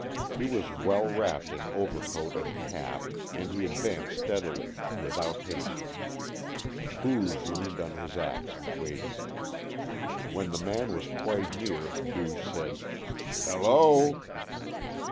He was well wrapped in overcoat and cap and he advanced steadily, without haste. Booge leaned on his ax and waited. When the man was quite near Booge said, "Hello!"